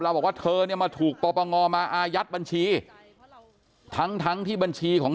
บอกว่าเธอเนี่ยมาถูกปปงมาอายัดบัญชีทั้งทั้งที่บัญชีของ